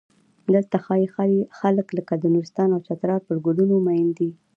دلته ځايي خلک لکه د نورستان او چترال پر ګلونو مین دي.